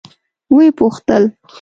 ويې پوښتل.